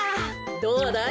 どうだい？